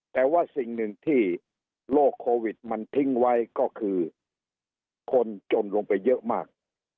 แต่ว่าสิ่งหนึ่งที่โรคโควิดมันทิ้งไว้ก็คือคนจนลงไปเยอะมาก